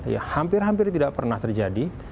ya hampir hampir tidak pernah terjadi